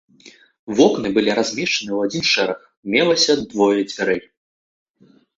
Вокны былі размешчаны ў адзін шэраг, мелася двое дзвярэй.